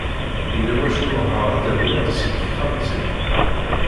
Yella wacu ruḥeɣ ad d-awiɣ seg texxamt-iw.